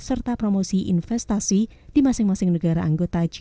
serta promosi investasi di masing masing negara anggota g dua puluh